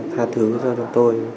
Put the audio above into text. tha thứ cho đồ tôi